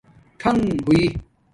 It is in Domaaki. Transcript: ٹھانݣ ہݸئ